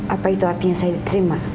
apa itu artinya saya terima